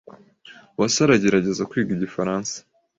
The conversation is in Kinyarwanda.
Uwase aragerageza kwiga igifaransa.